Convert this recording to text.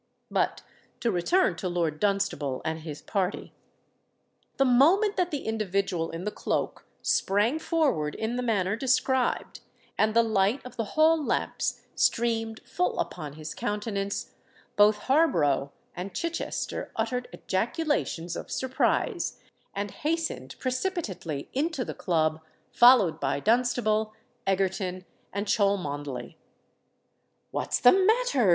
But to return to Lord Dunstable and his party. The moment that the individual in the cloak sprang forward in the manner described, and the light of the hall lamps streamed full upon his countenance, both Harborough and Chichester uttered ejaculations of surprise, and hastened precipitately into the Club, followed by Dunstable, Egerton, and Cholmondeley. "What's the matter?"